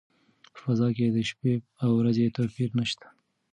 په فضا کې د شپې او ورځې توپیر نشته.